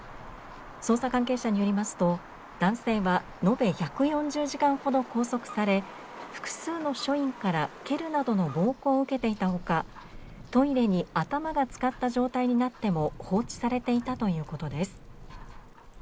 捜査関係者によりますと男性は延べ４０時間ほど拘束され複数の署員から蹴るなどの暴行を受けていたほかトイレに頭がつかった状態になったまま放置されていたということです。